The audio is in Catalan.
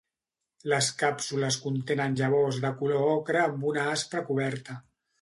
Les càpsules contenen llavors de color ocre amb una aspra coberta.